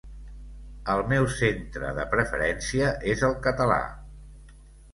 El meu centre de preferència és el català.